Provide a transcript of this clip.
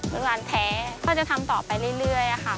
เป็นร้านแท้ก็จะทำต่อไปเรื่อยค่ะ